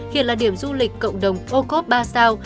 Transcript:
hiện là điểm du lịch cộng đồng ô cốp ba sao